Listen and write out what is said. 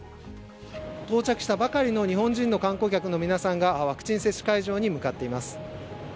到着したばかりの日本人の観光客の皆さんが、ワクチン接種会場に向かっています。